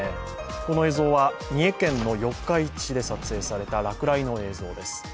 この映像は三重県の四日市市で撮影された落雷の映像です。